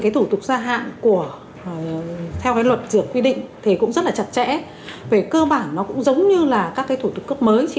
trước kỳ nhiệm luật dược hai nghìn một mươi sáu là đăng ký lại